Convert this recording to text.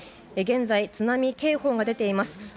現在、津波警報が出ています。